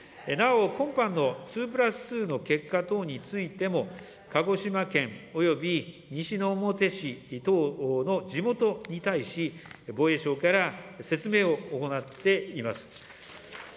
なお、今般の２＋２の結果等についても、鹿児島県および西之表市等の地元に対し、防衛省から説明を行っています。